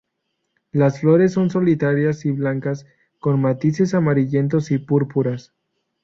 Las flores son solitarias y blancas, con matices amarillentos y púrpuras.